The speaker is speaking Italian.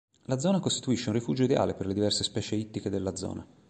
La zona costituisce un rifugio ideale per le diverse specie ittiche della zona.